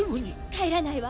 帰らないわ。